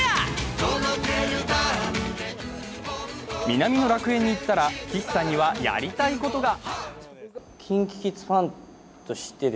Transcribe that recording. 南の楽園に行ったら岸さんにはやりたいことが。